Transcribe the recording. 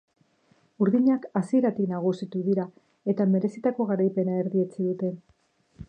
Urdinak hasieratik nagusitu dira eta merezitako garaipena erdietsi dute.